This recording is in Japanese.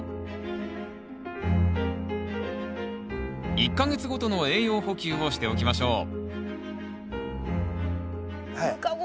１か月ごとの栄養補給をしておきましょうムカゴ